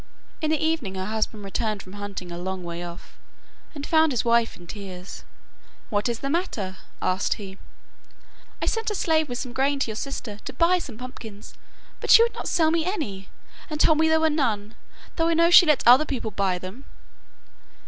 In the evening her husband returned from hunting a long way off, and found his wife in tears. 'What is the matter?' asked he. 'I sent a slave with some grain to your sister to buy some pumpkins, but she would not sell me any, and told me there were none, though I know she lets other people buy them.